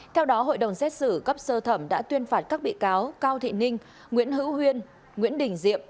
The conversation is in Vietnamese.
theo đó hội đồng xét xử cấp sơ thẩm đã tuyên phạt các bị cáo cao thị ninh nguyễn hữu huyên nguyễn đình diệm